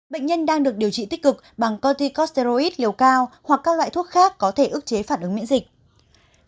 bệnh nhân đang được điều trị tích cực bằng corticosteroids liều cao hoặc các loại thuốc khác có thể ức chế phản ứng miễn dịch